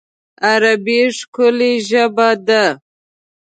عربي ښکلی ژبه ده